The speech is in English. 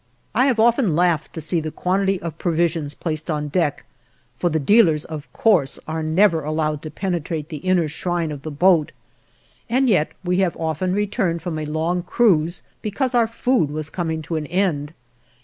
I have often laughed to see the quantity of provisions placed on deck, for the dealers, of course, are never allowed to penetrate the inner shrine of the boat, and yet we have often returned from a long cruise because our food was coming to an end.